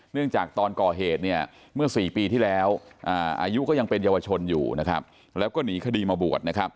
จากตอนก่อเหตุเมื่อ๔ปีที่แล้วอายุก็ยังเป็นเยาวชนอยู่นะครับแล้วก็หนีคดีมาบวชนะครับ